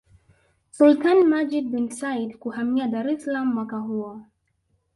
Sultani Majid bin Said kuhamia Dar es Salaam mwaka huo